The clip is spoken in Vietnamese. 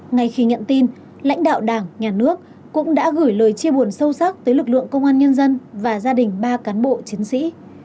ngay khi nhận tin lãnh đạo đảng nhà nước cũng đã gửi lời chia buồn sâu sắc tới lực lượng công an nhân dân và gia đình ba cán bộ chiến sĩ